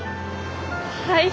はい。